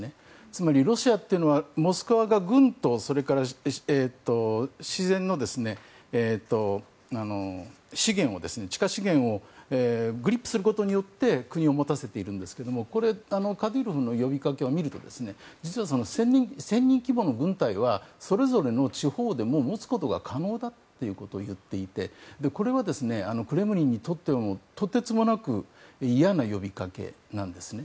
つまり、ロシアというのはモスクワが軍と自然の地下資源をグリップすることによって国を持たせているんですけどもカディロフの呼びかけを見ると実は１０００人規模の軍隊はそれぞれの地方で持つことが可能だということを言っていてこれはクレムリンにとってもとてつもなく嫌な呼びかけなんですね。